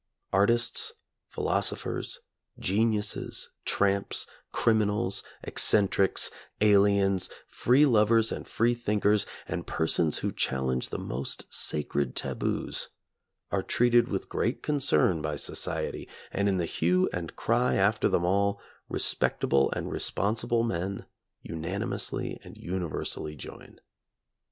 Artists, philosophers, geniuses, tramps, criminals, eccentrics, aliens, free lovers and free thinkers, and persons who challenge the most sacred taboos, are treated with great concern by society, and in the hue and cry after them all, respectable and responsible men unanimously and universally join.